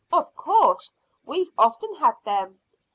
"Of course; we've often had them."